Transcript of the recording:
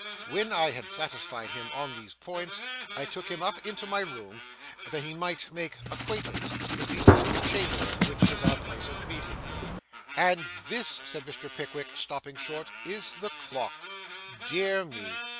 When I had satisfied him on these points, I took him up into my room, that he might make acquaintance with the old chamber which is our place of meeting. 'And this,' said Mr. Pickwick, stopping short, 'is the clock! Dear me!